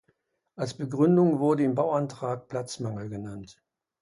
Als Begründung wurde im Bauantrag Platzmangel genannt.